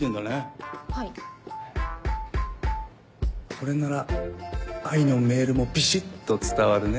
これなら愛のメールもビシっと伝わるね。